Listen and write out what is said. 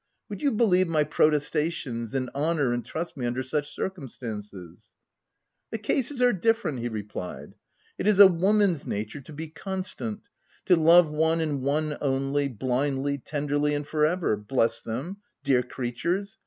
Would you believe my pro testations, and honour and trust me under such circumstances ??" The cases are different/ 5 he replied. " It is a woman's nature to be constant— to love one and one only, blindly, tenderly, and for ever — bless them, dear creatures